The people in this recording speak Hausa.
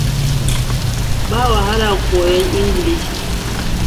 Ba wahala koyon Ingilishi.